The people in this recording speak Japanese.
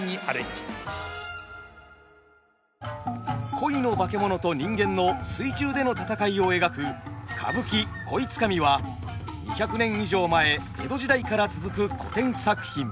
鯉の化け物と人間の水中での戦いを描く歌舞伎「鯉つかみ」は２００年以上前江戸時代から続く古典作品。